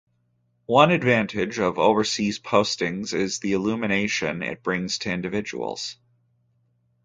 One advantage of overseas postings is the illumination it brings to individuals.